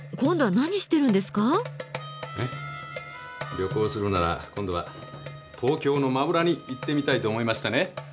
旅行するなら今度は東京の真裏に行ってみたいと思いましてね。